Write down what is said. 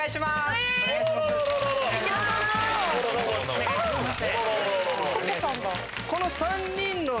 お願いいたします。